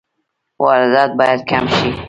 واردات باید کم شي